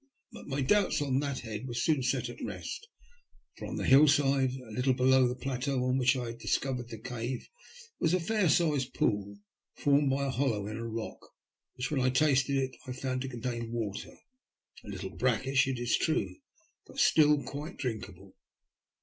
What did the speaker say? But my doubts on that head were soon set at rest, for on the hillside, a little below the plateau on which I had discovered the cave, was a fair sized pool, formed by a hollow in a rock, which, when I tasted it, I found to contain water, a little brackish it is true, but still quite drinkable.